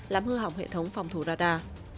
làm hư hỏng hệ thống phòng thủ radar